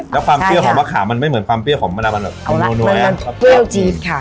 แล้วความเปรี้ยวของมะขามมันไม่เหมือนความเปรี้ยวของมะน้ำมันแบบเอาล่ะมันมันเปรี้ยวจี๊บค่ะ